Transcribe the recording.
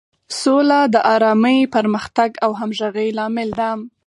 سوله د ارامۍ، پرمختګ او همغږۍ لامل ده.